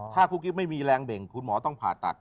ถ้ากุ๊กกิ๊บไม่มีแรงเบ่งคุณหมอต้องผ่าตัด